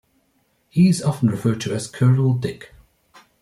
He is often referred to as "Colonel Dick".